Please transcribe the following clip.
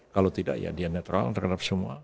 kalau tidak ya dia netral terhadap semua